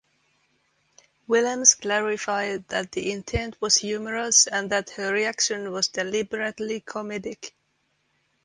Willems clarified that the intent was humorous and that her reaction was deliberately comedic.